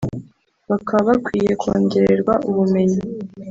bakaba bakwiye kongererwa ubumenyi